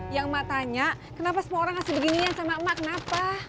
yang mak tanya kenapa semua orang ngasih beginian sama emak kenapa